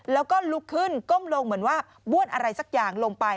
แล้วก็ลุกขึ้นก้มลงเหมือนว่าบ้วนอะไรสักอย่างลงไป